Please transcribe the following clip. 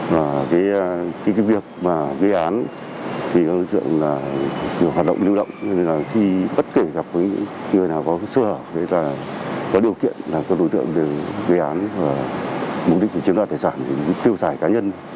các đối tượng gây án các đối tượng hoạt động lưu động bất kể gặp người nào có sơ hợp có điều kiện các đối tượng gây án mục đích chiếm đoạt tài sản tiêu sải cá nhân